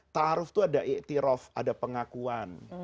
ta'aruf itu ada ikhtirof ada pengakuan